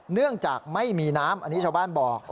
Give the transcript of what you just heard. เนื่องจากไม่มีน้ำอันนี้ชาวบ้านบอก